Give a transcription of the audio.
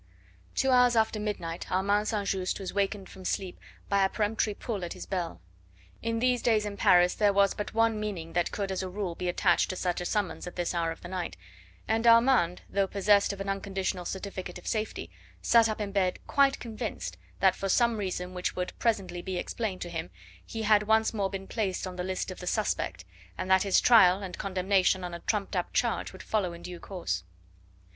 Two hours after midnight Armand St. Just was wakened from sleep by a peremptory pull at his bell. In these days in Paris but one meaning could as a rule be attached to such a summons at this hour of the night, and Armand, though possessed of an unconditional certificate of safety, sat up in bed, quite convinced that for some reason which would presently be explained to him he had once more been placed on the list of the "suspect," and that his trial and condemnation on a trumped up charge would follow in due course.